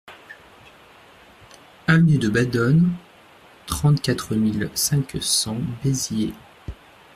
Avenue de Badones, trente-quatre mille cinq cents Béziers